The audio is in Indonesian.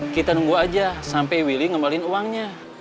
kita nunggu aja sampai willy ngembalin uangnya